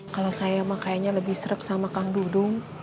kalau saya mah kayaknya lebih serap sama kang dudung